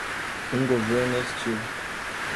um governo hostil